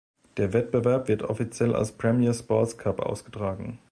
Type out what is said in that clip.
Der Wettbewerb wird offiziell als Premier Sports Cup ausgetragen.